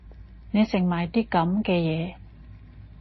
你食埋啲噉嘅嘢